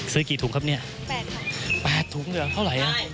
ซื้อกี่ถุงครับเนี้ยแปดแปดถุงเหรอเท่าไรอ่ะ